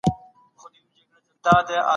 ډیپلوماټیک پیغامونه باید له ابهام لیري وي.